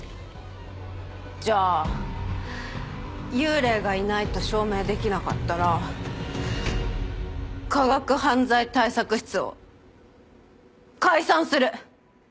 じゃあ幽霊がいないと証明できなかったら科学犯罪対策室を解散する！